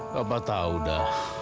bapak tau dah